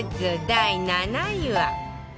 第７位は